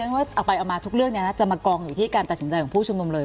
ว่าเอาไปเอามาทุกเรื่องจะมากองอยู่ที่การตัดสินใจของผู้ชุมนุมเลย